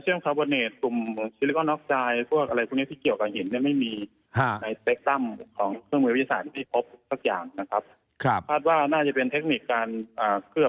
เบิ้ลเข้าไปในห้องของพี่แล้วผมเออบ้านพี่ทำไมเป็นลายไม้สักเลย